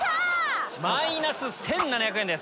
マイナス１７００円です。